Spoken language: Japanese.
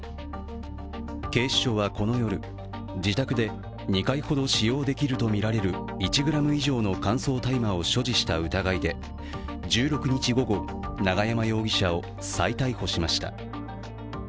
警視庁は、この夜自宅で２回ほど使用できるとみられる１ｇ以上の乾燥大麻を所持した疑いで１６日午後、永山容疑者を再逮捕しました。